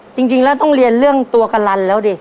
จริงแล้วต้องเรียนเรื่องตัวกะลันแล้วดิ